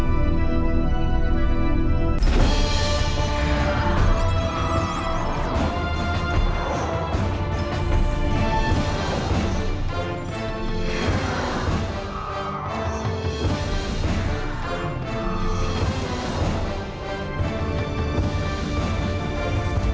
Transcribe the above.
อำนาจที่สุดหรือได้เปลี่ยนผ่านห้าปีนี่แหละค่ะ